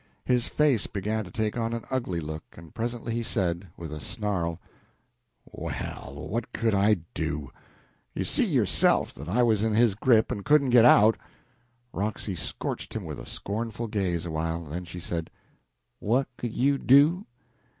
His face began to take on an ugly look, and presently he said, with a snarl "Well, what could I do? You see, yourself, that I was in his grip and couldn't get out." Roxy scorched him with a scornful gaze awhile, then she said "What could you do?